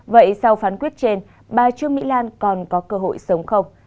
vậy sau phán quyết trên bà trương mỹ lan còn có cơ hội sống không